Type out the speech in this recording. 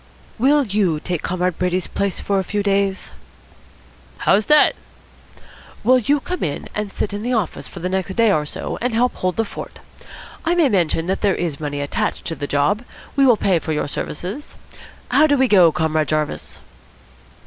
"Will you take Comrade Brady's place for a few days?" "How's that?" "Will you come in and sit in the office for the next day or so and help hold the fort? I may mention that there is money attached to the job. We will pay for your services. How do we go, Comrade Jarvis?"